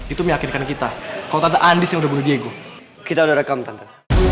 itu meyakinkan kita kalau tante anies udah bisa bunuh diego kita udah rekam tante